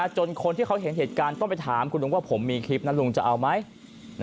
จนคนที่เขาเห็นเหตุการณ์ต้องไปถามคุณลุงว่าผมมีคลิปนั้นลุงจะเอาไหม